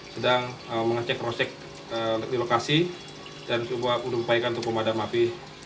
sedang mengecek rosek di lokasi dan sudah membaikan tumpahan madang api